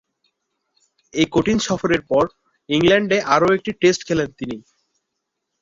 এ কঠিন সফরের পর ইংল্যান্ডে আরও একটি টেস্ট খেলেন তিনি।